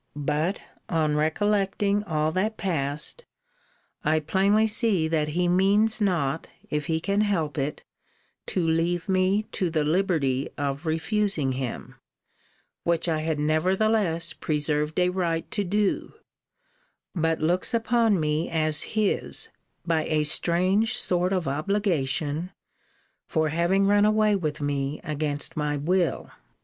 But, on recollecting all that passed, I plainly see that he means not, if he can help it, to leave me to the liberty of refusing him; which I had nevertheless preserved a right to do; but looks upon me as his, by a strange sort of obligation, for having run away with me against my will.